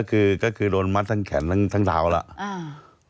ก็คือโดนมัดทั้งแขนทั้งดาวแล้ว